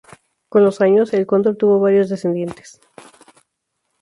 Con los años, el Cóndor tuvo varios descendientes.